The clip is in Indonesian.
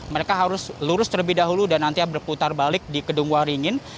mereka harus lurus terlebih dahulu dan nanti berputar balik di gedung waringin